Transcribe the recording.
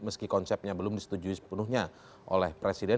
meski konsepnya belum disetujui sepenuhnya oleh presiden